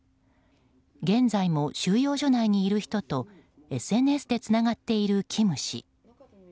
現在も収容所内にいる人とＳＮＳでつながっているキム氏。